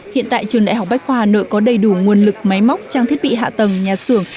hiện tại trường đại học bách khoa hà nội có đầy đủ nguồn lực máy móc trang thiết bị hạ tầng nhà xưởng